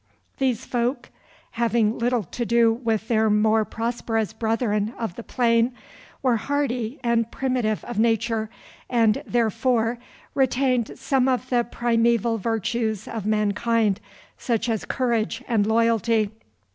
These folk, having little to do with their more prosperous brethren of the plain, were hardy and primitive of nature, and therefore retained some of the primeval virtues of mankind, such as courage and loyalty.